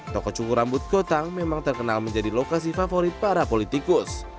toko cukur rambut kotak memang terkenal menjadi lokasi favorit para politikus